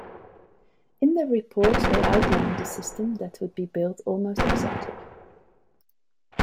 In their report they outlined the system that would be built almost exactly.